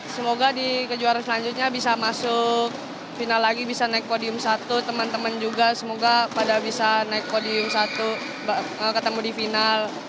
semoga di kejuaraan selanjutnya bisa masuk final lagi bisa naik podium satu teman teman juga semoga pada bisa naik podium satu ketemu di final